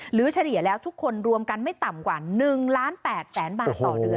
หรือเฉดียแล้วทุกคนรวมกันไม่ต่ำกว่า๑ล้าน๘แสนบาท